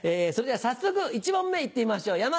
それでは早速１問目行ってみましょう。